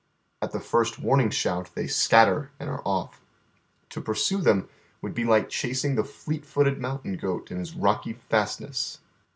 At the first warning shout they scatter and are off. To pursue them would be like cliasing the fleet footed mountain goat in his rocky fastnesses.